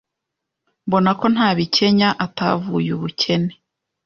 Mbona ko nta bikenya atavuye ubukene